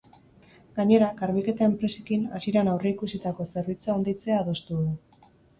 Gainera, garbiketa enpresekin hasieran aurreikusitako zerbitzua handitzea adostu du.